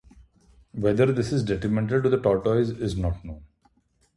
Whether this is detrimental to the tortoise is not known.